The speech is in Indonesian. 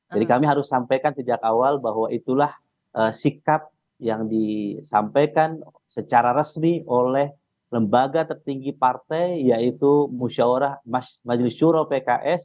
jadi kami harus sampaikan sejak awal bahwa itulah sikap yang disampaikan secara resmi oleh lembaga tertinggi partai yaitu musyawarah majelis juro pks